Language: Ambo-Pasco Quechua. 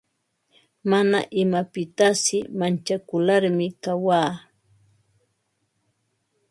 Mana imapitasi manchakularmi kawaa.